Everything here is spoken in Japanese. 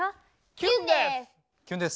キュンです。